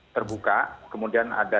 terbuka kemudian ada